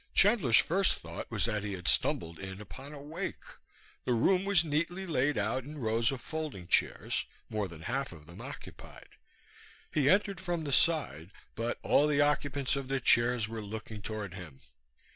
Chandler's first thought was that he had stumbled in upon a wake. The room was neatly laid out in rows of folding chairs, more than half of them occupied. He entered from the side, but all the occupants of the chairs were looking toward him.